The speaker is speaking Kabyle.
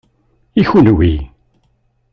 I kenwi?